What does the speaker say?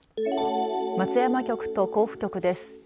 松山局と甲府局です。